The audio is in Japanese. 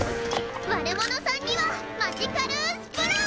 悪者さんにはマジカルゥスプラー！